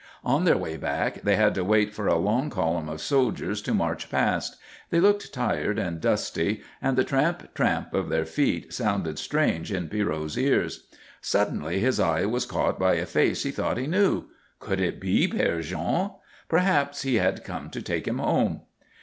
On their way back they had to wait for a long column of soldiers to march past. They looked tired and dusty, and the tramp, tramp of their feet sounded strange in Pierrot's ears. Suddenly his eye was caught by a face he thought he knew. Could it be Père Jean? Perhaps he had come to take him home.